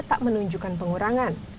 tak menunjukkan pengurangan